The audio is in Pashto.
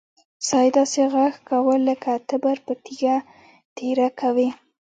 سا يې داسې غژس کوه لک تبر په تيږه تېره کوې.